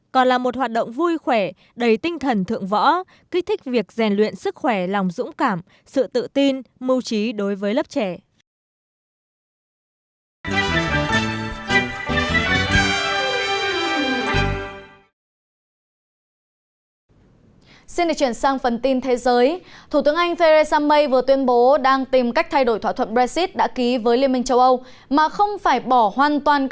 còn là một hoạt động vui khỏe đầy tinh thần thượng võ kích thích việc rèn luyện sức khỏe lòng dũng cảm sự tự tin mưu trí đối với lớp trẻ